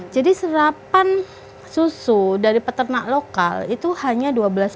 jadi serapan susu dari peternak lokal itu hanya dua belas